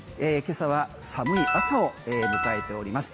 今朝は寒い朝を迎えております。